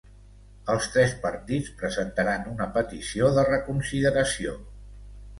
Els tres partits presentaran una petició de reconsideració.